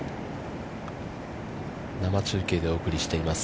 生中継でお送りしています。